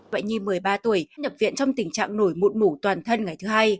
bệnh nhi một mươi ba tuổi nhập viện trong tình trạng nổi mụn mủ toàn thân ngày thứ hai